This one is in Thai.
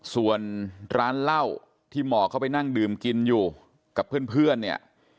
ส่วนร้านเหล้าที่หมอเข้าไปนั่งดื่มกินอยู่กับเพื่อนเนี่ย